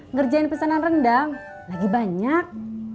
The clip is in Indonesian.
ngerjain pesanan rendang lagi banyak